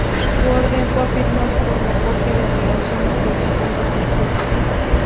Su orden fue afirmada por la Corte de apelaciones del segundo circuito.